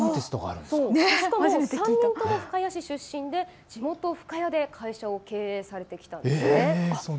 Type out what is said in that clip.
しかも３人とも深谷市出身で地元、深谷で会社を経営されてきたんです。